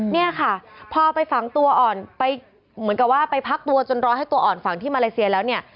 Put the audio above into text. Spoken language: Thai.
เนี่ยค่ะพอไปฝังตัวอ่อนไปเหมือนกับว่าไปพักตัวจนรอให้ตัวอ่อนฝังที่มาเลเซียแล้วเนี่ย